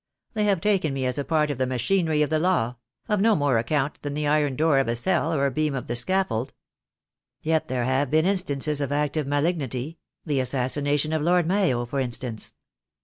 They have taken me as a part of the machinery of the law — of no more account than the iron door of a cell or a beam of the scaffold." "Yet there have been instances of active malignity — the assassination of Lord Mayo, for instance."